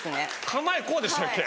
構えこうでしたっけ？